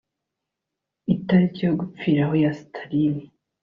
itariki yo gupfiraho ya Staline